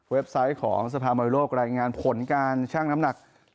เว็บไซต์ของสภาพบริโรครายงานผลการช่างน้ำหนัก